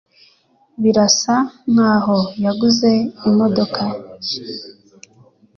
Birasa nkaho yaguze imodoka nshya.